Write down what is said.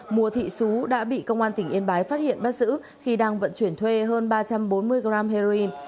mùa thị xú đã bị công an tỉnh yên bái phát hiện bắt giữ khi đang vận chuyển thuê hơn ba trăm bốn mươi gram heroin